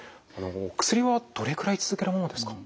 薬はどれくらい続けるものですか？